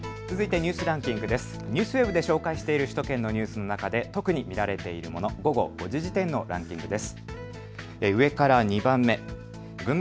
ＮＨＫＮＥＷＳＷＥＢで紹介している首都圏のニュースの中で特に見られているもの、午後５時時点のランキングです。